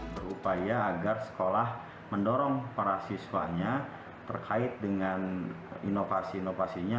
berupaya agar sekolah mendorong para siswanya terkait dengan inovasi inovasinya